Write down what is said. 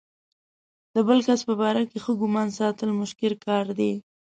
د بل کس په باره کې ښه ګمان ساتل مشکل کار دی.